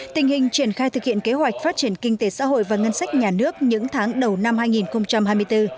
tình hình triển khai thực hiện kế hoạch phát triển kinh tế xã hội và ngân sách nhà nước những tháng đầu năm hai nghìn hai mươi bốn